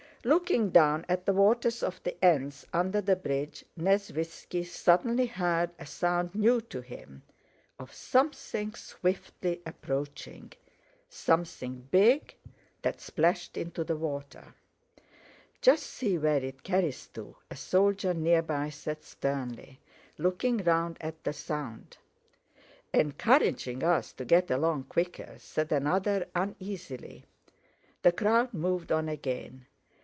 Looking down at the waters of the Enns under the bridge, Nesvítski suddenly heard a sound new to him, of something swiftly approaching... something big, that splashed into the water. "Just see where it carries to!" a soldier near by said sternly, looking round at the sound. "Encouraging us to get along quicker," said another uneasily. The crowd moved on again.